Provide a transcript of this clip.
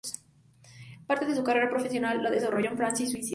Parte de su carrera profesional la desarrolló en Francia y Suiza.